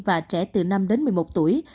và trẻ từ năm đến một mươi một tuổi